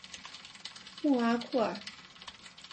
穆阿库尔。